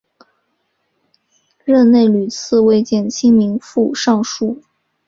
任内屡次为减轻民负上疏。